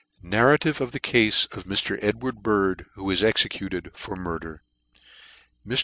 Narrative of the Cafe of Mr. EDWARD BIRD, who was executed for Murder. A/TR.